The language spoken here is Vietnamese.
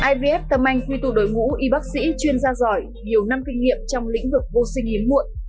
ivf tâm anh quy tụ đội ngũ y bác sĩ chuyên gia giỏi nhiều năm kinh nghiệm trong lĩnh vực vô sinh hiếm muộn